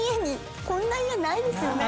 こんな家ないですよね